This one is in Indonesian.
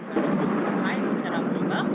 oleh kepala pemerintah lain secara umum